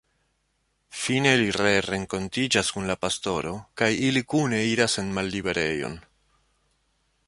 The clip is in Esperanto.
Fine li ree renkontiĝas kun la pastoro kaj ili kune iras en malliberejon.